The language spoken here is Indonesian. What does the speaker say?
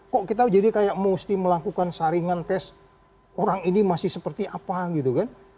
kok kita jadi kayak mesti melakukan saringan tes orang ini masih seperti apa gitu kan